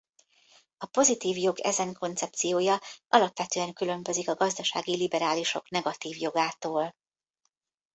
A pozitív jog ezen koncepciója alapvetően különbözik a gazdasági liberálisok negatív jogától.